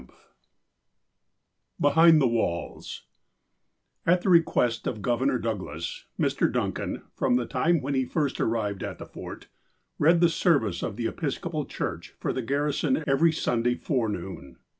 XVI BEHIND THE WALLS AT the request of Governor Douglas, Mr. Dun can, from the time when he first arrived at the Fort, read the service of the EpiscojDal Church for the garrison every Sunday forenoon.